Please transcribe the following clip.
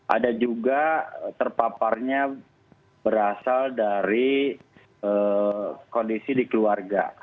ada juga terpaparnya berasal dari kondisi di keluarga